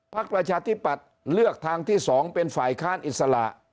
ประชาธิปัตย์เลือกทางที่๒เป็นฝ่ายค้านอิสระ